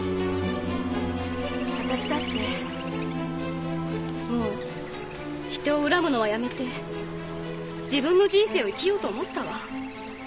私だってもう人を恨むのはやめて自分の人生を生きようと思ったわ。